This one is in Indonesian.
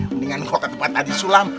mendingan lo ke tempat tadi sulam